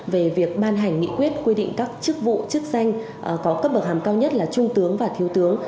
về việc ban hành nghị quyết quy định các chức vụ chức danh có cấp bậc hàm cao nhất là trung tướng và thiếu tướng